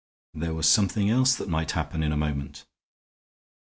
There was something else that might happen in a moment.